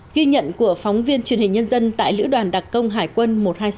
ghi nhận của phóng viên truyền hình nhân dân tại lữ đoàn đặc công hải quân một trăm hai mươi sáu